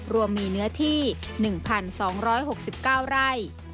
รวมมีเนื้อที่๑๒๖๙ไร่